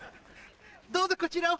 どうぞこちらを。